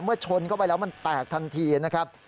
ชนเข้าไปแล้วมันแตกทันทีนะครับ